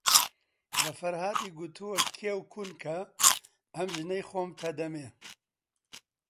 بە فەرهادی گوتووە کێو کون کە، ئەم ژنەی خۆمتە ئەدەمێ؟